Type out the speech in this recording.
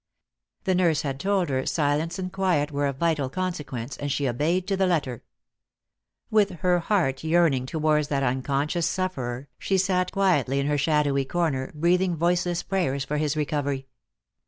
The nurse had told her silence and quiet were of vital consequence, and she oDeyed to the letter. With her heart yearning towards that unconscious sufferer, she sat quietly in her shadowy corner, breathing voice less prayers for his recovery.